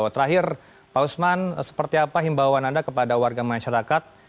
terakhir pak usman seperti apa himbauan anda kepada warga masyarakat